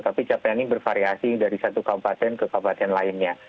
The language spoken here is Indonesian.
tapi capaian ini bervariasi dari satu kabupaten ke kabupaten lainnya